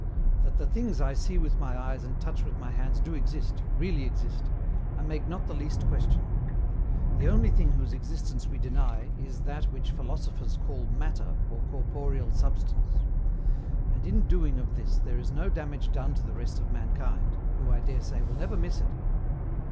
That the things I see with my eyes and touch with my hands do exist, really exist, I make not the least question. The only thing whose existence we deny IS THAT WHICH PHILOSOPHERS CALL MATTER or corporeal substance. And in doing of this there is no damage done to the rest of mankind, who, I dare say, will never miss it.